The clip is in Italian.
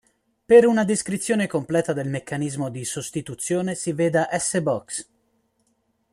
Per una descrizione completa del meccanismo di sostituzione si veda S-box.